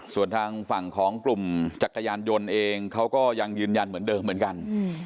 ส่วนทางฝั่งของกลุ่มจักรยานยนต์เองเขาก็ยังยืนยันเหมือนเดิมเหมือนกัน